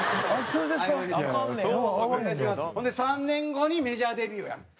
３年後にメジャーデビューや。